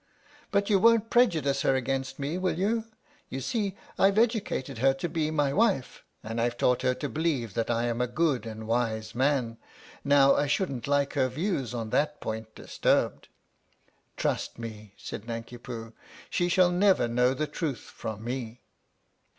" But you won't prejudice her against me, will you ? You see I've educated her to be my wife and I've taught her to believe that I am a good and wise man. Now I shouldn't like her views on that point disturbed." "Trust me," said Nanki Poo, "she shall never know the truth from me."